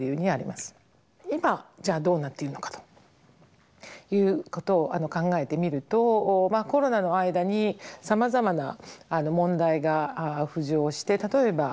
今じゃあどうなっているのかということを考えてみるとコロナの間にさまざまな問題が浮上して例えば人種差別問題がありました。